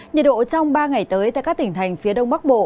nhiệt độ trong ba ngày tới tại các tỉnh thành phía đông bắc bộ